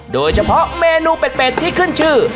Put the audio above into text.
โดยเฉพาะเมนูเป็ดที่ขึ้นชื่อ